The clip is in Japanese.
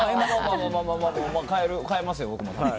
変えますよ、僕も。